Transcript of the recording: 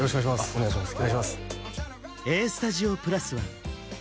お願いします